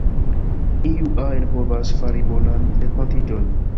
Iu ajn povas fari bonan renkontiĝon.